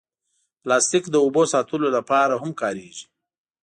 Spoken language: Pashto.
پلاستيک د اوبو ساتلو لپاره هم کارېږي.